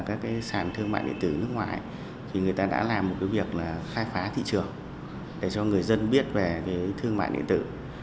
các cái sàn thương mại điện tử nước ngoài thì người ta đã làm một cái việc là khai phá thị trường để cho người dân biết về thương mại điện tử